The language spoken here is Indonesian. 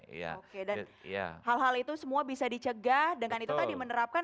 oke dan hal hal itu semua bisa dicegah dengan itu tadi menerapkan